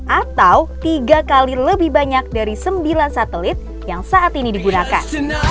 atau tiga kali lebih banyak dari sembilan satelit yang saat ini digunakan